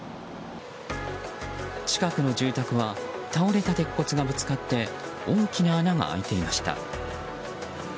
近くの住宅は倒れた鉄骨がぶつかって大きな穴が開いていました。